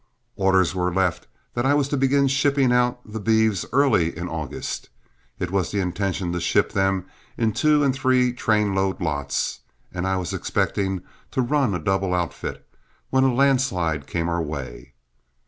Orders were left that I was to begin shipping out the beeves early in August. It was the intention to ship them in two and three train load lots, and I was expecting to run a double outfit, when a landslide came our way.